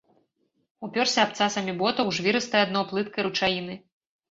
Упёрся абцасамі ботаў у жвірыстае дно плыткай ручаіны.